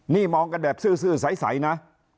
นี่มองกันแบบซื่อใสนะ